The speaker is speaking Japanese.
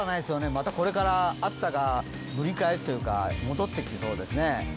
またこれから暑さがぶり返すというか、戻ってきそうですね。